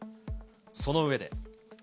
その上で。